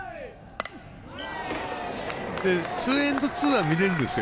ツーエンドツーは見れるんですよ。